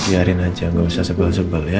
biarin aja nggak usah sebel sebel ya